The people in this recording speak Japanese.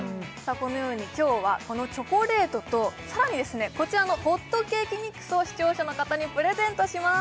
このように今日はこのチョコレートとさらにこちらのホットケーキミックスを視聴者の方にプレゼントします